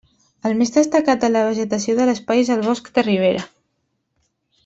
El més destacat de la vegetació de l'espai és el bosc de ribera.